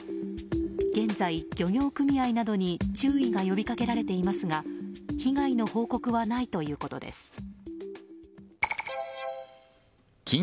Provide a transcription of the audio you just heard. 現在、漁業組合などに注意が呼びかけられていますが被害の報告はないということです。